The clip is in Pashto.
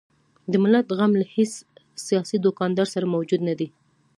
د ملت غم له هیڅ سیاسي دوکاندار سره موجود نه دی.